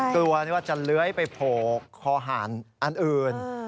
กลัวว่าจะเลื้อยไปโผล่คอห่านอันอื่น